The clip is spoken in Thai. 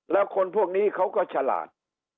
แล้วคนพวกนี้เขาก็ฉลาด